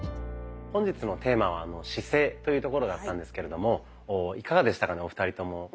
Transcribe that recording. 本日のテーマは「姿勢」というところだったんですけれどもいかがでしたかねお二人とも。